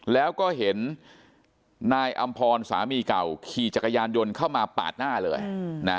แล้วก็เห็นนายอำพรสามีเก่าขี่จักรยานยนต์เข้ามาปาดหน้าเลยนะ